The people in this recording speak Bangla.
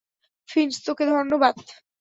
ফিঞ্চ, তোকে ধন্যবাদ।